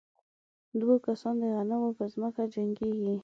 دوه کسان د غنمو په ځمکه جنګېږي.